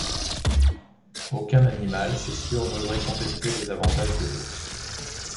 Aucun animal, c'est sûr, n’oserait contester les avantages de l'ours.